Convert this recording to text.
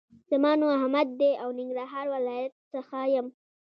زما نوم احمد دې او ننګرهار ولایت څخه یم